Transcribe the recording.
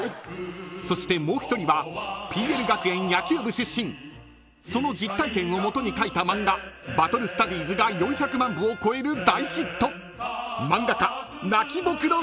［そしてもう一人はＰＬ学園野球部出身その実体験をもとにかいた漫画『バトルスタディーズ』が４００万部を超える大ヒット］